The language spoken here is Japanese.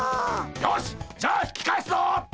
よしじゃあ引き返すぞ！